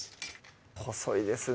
細いですね